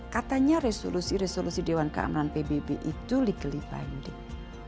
katanya resolusi resolusi dewan keamanan pbb itu legally binding